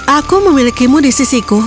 aku memilikimu di sisiku